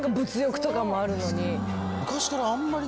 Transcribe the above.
昔からあんまり。